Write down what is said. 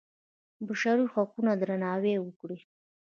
بشري حقونو ته درناوی وکړئ